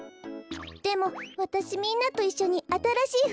でもわたしみんなといっしょにあたらしいふくをかいたいの。